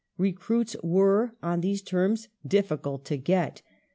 Recruits were, on these terms, difficult to get.